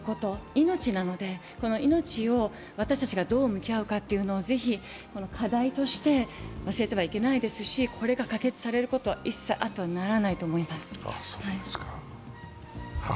命なので命を私たちがどう向き合うかをぜひ課題として忘れてはいけないですし、これが可決されることは一切あってはならないと思います。